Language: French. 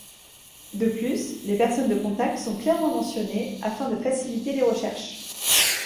De plus, les personnes de contacts sont clairement mentionnées afin de faciliter les recherches.